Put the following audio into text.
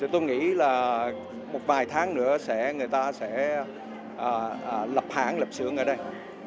tôi nghĩ là một vài tháng nữa sẽ người ta sẽ lập hãng lập xưởng ở đây